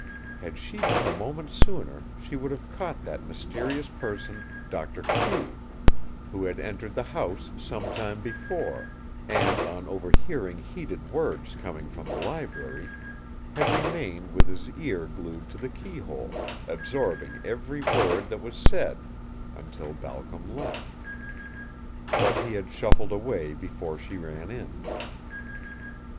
Had she been a moment sooner she would have caught that mysterious person, Doctor Q, who had entered the house some time before, and, on overhearing heated words coming from the library, had remained with his ear glued to the keyhole, absorbing every word that was said until Balcom left. But he had shuffled away before she ran in.